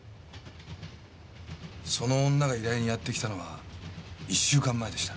その女が依頼にやって来たのは１週間前でした。